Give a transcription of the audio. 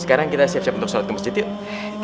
sekarang kita siap siap untuk sholat ke masjid yuk